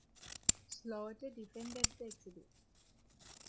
Slaughter defended the exhibit.